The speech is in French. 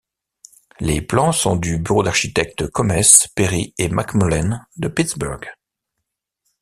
Les plans sont du bureau d'architectes Comès, Perry et McMullen de Pittsburgh.